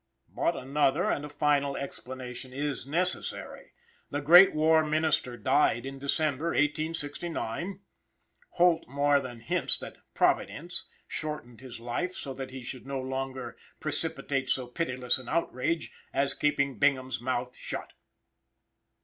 But another, and a final, explanation is necessary. The Great War Minister died in December, 1869. Holt more than hints that "Providence" shortened his life so that he should no longer "perpetrate so pitiless an outrage" as keeping Bingham's mouth shut.